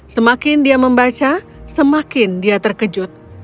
semakin dia membaca semakin dia terkejut